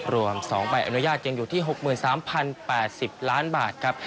รวม๒ใบอนุญาตยังอยู่ที่๖๓๐๘๐ล้านบาทครับ